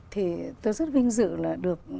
thì tôi rất vinh dự là được